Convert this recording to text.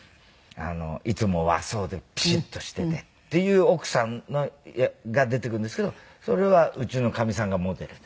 いつも和装でピシッとしててっていう奥さんが出てくるんですけどそれはうちのかみさんがモデルで。